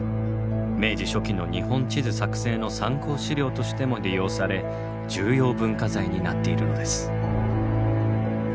明治初期の日本地図作成の参考資料としても利用され重要文化財になっているのです。